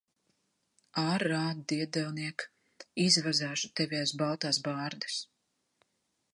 Ārā, diedelniek! Izvazāšu tevi aiz baltās bārdas.